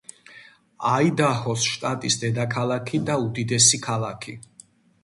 აიდაჰოს შტატის დედაქალაქი და უდიდესი ქალაქი.